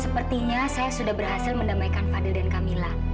sepertinya saya sudah berhasil mendamaikan fadil dan camilla